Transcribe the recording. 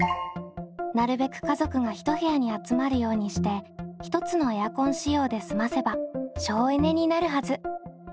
なるべく家族が一部屋に集まるようにして１つのエアコン使用で済ませば省エネになるはず。